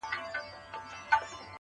o جدايي وخوړم لاليه، ستا خبر نه راځي.